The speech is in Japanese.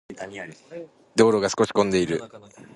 道路が少し混んでいる。